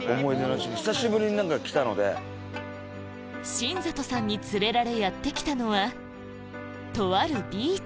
新里さんに連れられやって来たのはとあるビーチ